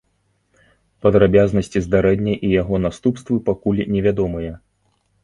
Падрабязнасці здарэння і яго наступствы пакуль невядомыя.